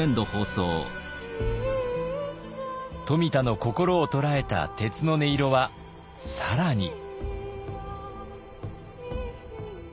冨田の心を捉えた鉄の音色は更に。